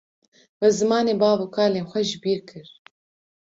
We zimanê bav û kalên xwe jibîr kir